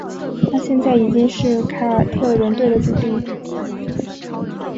他现在已经是凯尔特人队的主力。